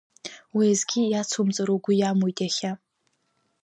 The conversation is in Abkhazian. Уеизгьы иацумҵар угәы иамуит иахьа?